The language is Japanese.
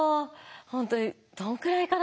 本当にどのくらいかな？